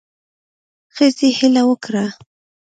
ښځې هیله وکړه